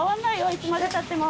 いつまで経っても。